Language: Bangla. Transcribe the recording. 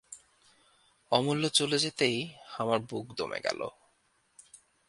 অমূল্য চলে যেতেই আমার বুক দমে গেল।